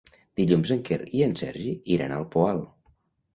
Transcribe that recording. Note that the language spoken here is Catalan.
Dilluns en Quer i en Sergi iran al Poal.